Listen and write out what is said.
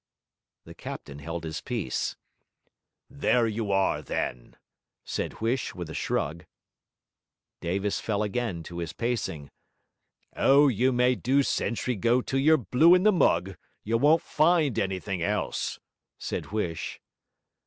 The captain held his peace. 'There you are then!' said Huish with a shrug. Davis fell again to his pacing. 'Oh, you may do sentry go till you're blue in the mug, you won't find anythink else,' said Huish.